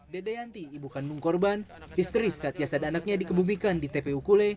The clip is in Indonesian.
dede yanti ibukan mungkorban istri saat jasad anaknya dikebumikan di tpu kule